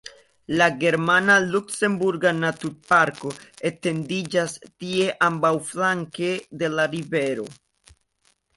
La germana-luksemburga naturparko etendiĝas tie ambaŭflanke de la rivero.